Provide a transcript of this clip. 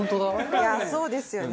いやそうですよね。